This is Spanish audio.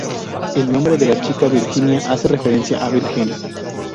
El nombre de la chica, "Virginia," hace referencia a virgen.